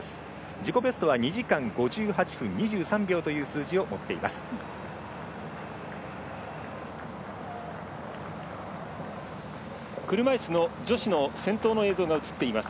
自己ベストは２時間５８分２３秒という数字を持っています。